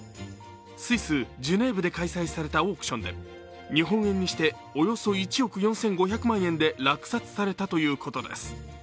スイス・ジュネーブで開催されたオークションで日本円にしておよそ１億４５００万円で落札されたということです。